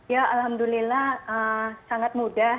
ya alhamdulillah sangat mudah